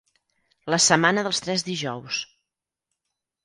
La setmana dels tres dijous.